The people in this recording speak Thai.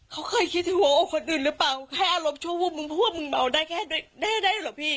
เขาเคยคิดถึงหัวอกคนอื่นหรือเปล่าแค่อารมณ์ชั่ววูบมึงพูดว่ามึงเมาได้แค่ได้เหรอพี่